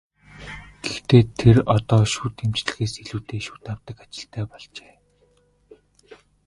Гэхдээ тэр одоо шүд эмчлэхээс илүүтэй шүд авдаг ажилтай болжээ.